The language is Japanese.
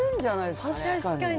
確かに。